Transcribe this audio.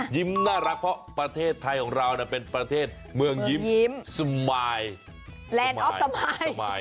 ยิ้มน่ารักเพราะประเทศไทยของเราเป็นประเทศเมืองยิ้ม